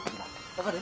分かる？